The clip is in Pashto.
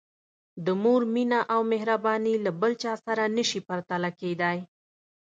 د مور مینه او مهرباني له بل چا سره نه شي پرتله کېدای.